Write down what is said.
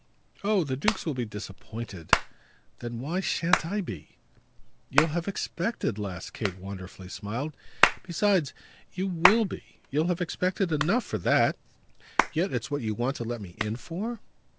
"Oh the dukes will be disappointed!" "Then why shan't I be?" "You'll have expected less," Kate wonderfully smiled. "Besides, you WILL be. You'll have expected enough for that." "Yet it's what you want to let me in for?"